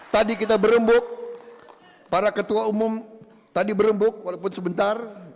tadi kita berembuk para ketua umum tadi berembuk walaupun sebentar